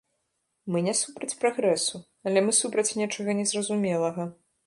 Мы не супраць прагрэсу, але мы супраць нечага незразумелага.